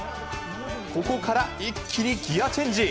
ここから一気にギアチェンジ。